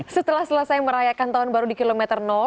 setelah selesai merayakan tahun baru di kilometer